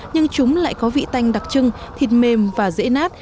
nhưng chúng lại có vị tanh đặc trưng thịt mềm và dễ nát